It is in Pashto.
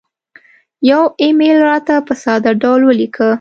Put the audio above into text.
یو ایمیل راته په ساده ډول ولیکه